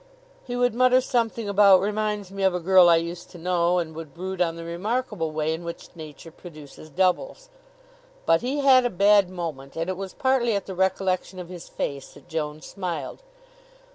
He would mutter something about "Reminds me of a girl I used to know," and would brood on the remarkable way in which Nature produces doubles. But he had a bad moment, and it was partly at the recollection of his face that Joan smiled.